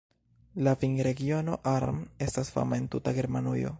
La vinregiono Ahr estas fama en tuta Germanujo.